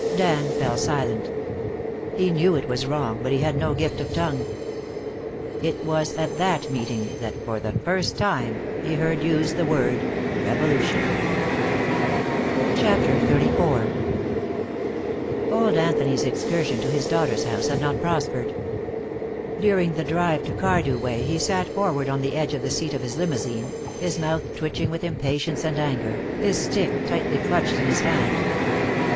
Dan fell silent. He knew it was wrong, but he had no gift of tongue. It was at that meeting that for the first time he heard used the word "revolution." CHAPTER XXXIV Old Anthony's excursion to his daughter's house had not prospered. During the drive to Cardew Way he sat forward on the edge of the seat of his limousine, his mouth twitching with impatience and anger, his stick tightly clutched in his hand.